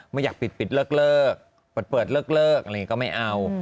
ไม่อยากปิดปิดเลิกเปิดเลิกอะไรอย่างนี้ก็ไม่เอา